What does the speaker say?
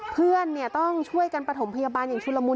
เพื่อนต้องช่วยกันประถมพยาบาลอย่างชุดละมุน